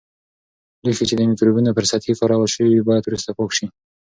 لوښي چې د مکروبونو پر سطحې کارول شوي وي، باید وروسته پاک شي.